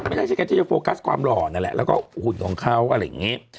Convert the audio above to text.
ไม่ใช่แกที่จะโฟกัสความหล่อนั่นแหละแล้วก็หุ่นของเขาอะไรอย่างนี้